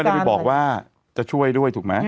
แล้วก็ไม่ได้บอกว่าจะช่วยด้วยถูกไหม